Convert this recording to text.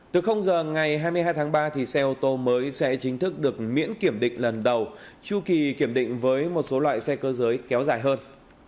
từ giờ ngày hai mươi hai tháng ba xe ô tô mới sẽ chính thức được miễn kiểm định lần đầu chu kỳ kiểm định với một số loại xe cơ giới kéo dài hơn